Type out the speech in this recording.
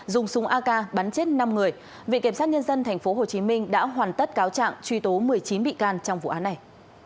dùng súng ak bắn chết năm người viện kiểm sát nhân dân tp hcm đã hoàn tất cáo trạng truy tố một mươi chín bị can trong vụ án này